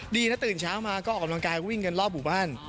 ดีนะตื่นเช้ามาก็ออกกำลังกายก็วิ่งกันรอบหมู่บ้าน